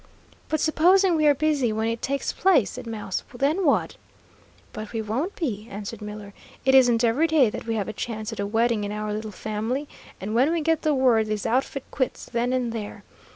"But supposing we are busy when it takes place," said Mouse, "then what?" "But we won't be," answered Miller. "It isn't every day that we have a chance at a wedding in our little family, and when we get the word, this outfit quits then and there.